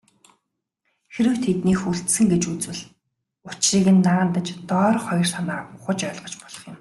Хэрэв тэднийг хүлцсэн гэж үзвэл, учрыг наанадаж доорх хоёр санаагаар ухаж ойлгож болох юм.